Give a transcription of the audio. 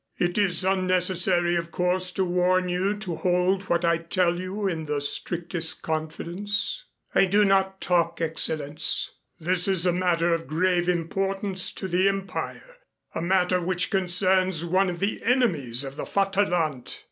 "It is unnecessary of course to warn you to hold what I tell you in the strictest confidence." "I do not talk, Excellenz." "This is a matter of grave importance to the Empire, a matter which concerns one of the enemies of the Vaterland.